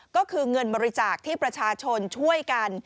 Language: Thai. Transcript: ก็คือเงินบริจาคที่ประชาชนช่วยกัน